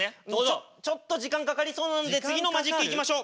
ちょっと時間かかりそうなので次のマジックいきましょう。